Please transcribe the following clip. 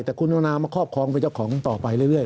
แต่คุณโอนามาครอบครองเป็นเจ้าของต่อไปเรื่อย